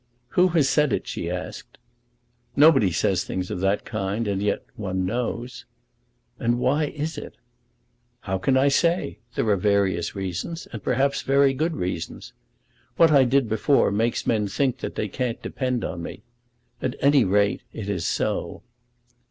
"Who has said it?" she asked. "Nobody says things of that kind, and yet one knows." "And why is it?" "How can I say? There are various reasons, and, perhaps, very good reasons. What I did before makes men think that they can't depend on me. At any rate it is so."